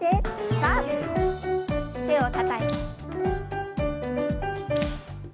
さあ手をたたいて。